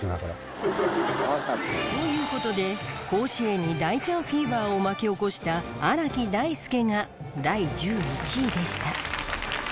という事で甲子園に大ちゃんフィーバーを巻き起こした荒木大輔が第１１位でした。